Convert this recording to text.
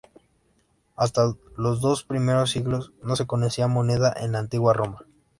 Hasta los dos primeros siglos no se conocía moneda en la antigua roma.